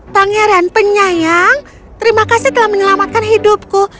pangeran penyayang terima kasih telah menyelamatkan hidupku